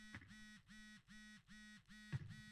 Dadasi nimalar deyapsiz